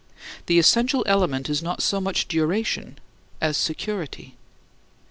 The essential element is not so much duration as security.